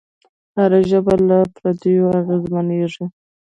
هره ژبه له پردیو اغېزمنېږي.